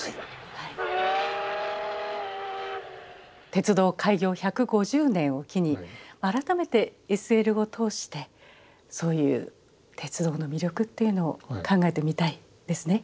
鉄道開業１５０年を機に改めてＳＬを通してそういう鉄道の魅力っていうのを考えてみたいですね。